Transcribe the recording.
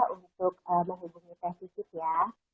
untuk menghubungi teh vivid ya